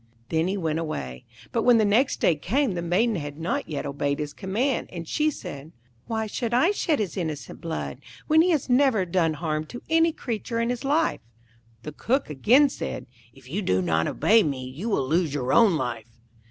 Then he went away; but when the next day came the Maiden had not yet obeyed his command, and she said, 'Why should I shed his innocent blood, when he has never done harm to any creature in his life?' The Cook again said, 'If you do not obey me, you will lose your own life.'